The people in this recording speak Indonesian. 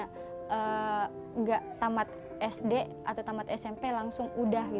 tidak tamat sd atau tamat smp langsung udah